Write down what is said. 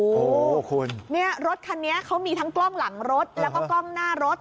โอ้โหคุณเนี่ยรถคันนี้เขามีทั้งกล้องหลังรถแล้วก็กล้องหน้ารถ